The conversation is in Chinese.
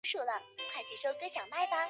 可为观赏鱼。